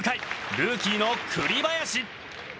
ルーキーの栗林。